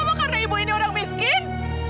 apa karena ibu ini orang miskin